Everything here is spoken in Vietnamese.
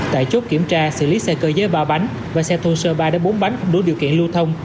tại chốt kiểm tra xử lý xe cơ giới ba bánh và xe thô sơ ba bốn bánh không đủ điều kiện lưu thông